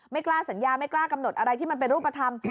ไม่กล้าสัญญาไม่กล้ากำหนดอะไรที่มันเป็นรูปธรรม